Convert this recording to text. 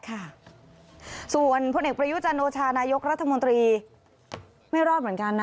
ค่ะส่วนพลเอกประยุจันโอชานายกรัฐมนตรีไม่รอดเหมือนกันนะ